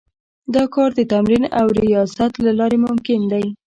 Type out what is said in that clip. دا کار د تمرين او رياضت له لارې ممکن دی.